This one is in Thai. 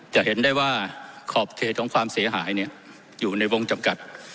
จะเห็นได้ว่าขอบเขตของความเสียหายอยู่ในวงจำกัด